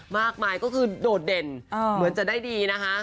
มากมายก็คือโดดเด่นเหมือนจะได้ดีนะคะ